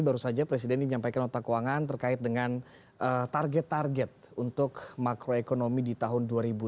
baru saja presiden menyampaikan nota keuangan terkait dengan target target untuk makroekonomi di tahun dua ribu sembilan belas